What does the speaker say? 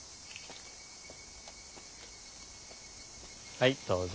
はいどうぞ。